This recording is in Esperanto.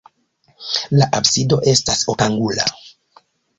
La absido estas okangula.